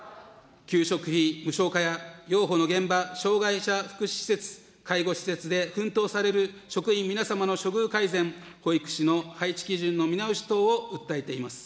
給食費無償化や、幼保の現場、障害者福祉施設、介護施設で奮闘される職員皆様の処遇改善、保育士の配置基準の見直し等を訴えています。